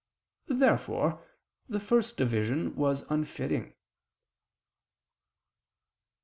Therefore the first division was unfitting.